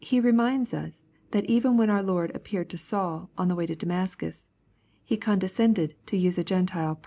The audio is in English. He reminds us that even when our Lord appeared to Saul, on the way to Damascus, He condescended to use a Oentile p'.